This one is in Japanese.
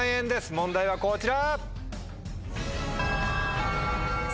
問題はこちら。